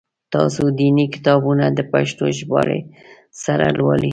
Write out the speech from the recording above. تاسو دیني کتابونه د پښتو ژباړي سره لولی؟